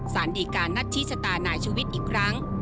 สารดีการนัดชี้ชะตานายชูวิทย์อีกครั้ง